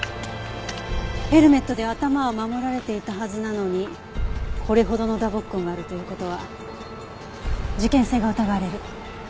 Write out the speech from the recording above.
ヘルメットで頭は守られていたはずなのにこれほどの打撲痕があるという事は事件性が疑われる。